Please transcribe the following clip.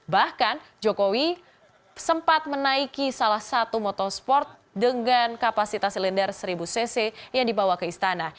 bahkan jokowi sempat menaiki salah satu motorsport dengan kapasitas silinder seribu cc yang dibawa ke istana